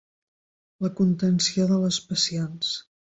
La contenció de les passions.